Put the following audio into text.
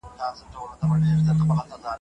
د فرد ځانته پیژندنه د ټولنې د پایښت لپاره مهمه ده.